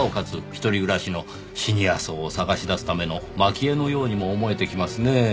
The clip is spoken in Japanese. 一人暮らしのシニア層を探し出すためのまき餌のようにも思えてきますねぇ。